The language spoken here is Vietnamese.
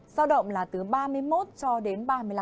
giao động là từ ba mươi một cho đến ba mươi năm